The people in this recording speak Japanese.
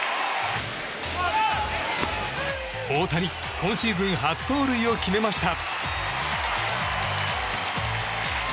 大谷今シーズン初盗塁を決めました。